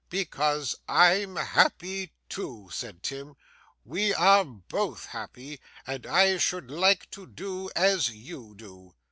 'Because I'm happy too,' said Tim. 'We are both happy, and I should like to do as you do.